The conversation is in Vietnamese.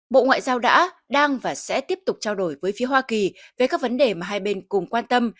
bộ ngoại giao đã đang và sẽ tiếp tục trao đổi với phía hoa kỳ về các vấn đề mà hai bên cùng quan tâm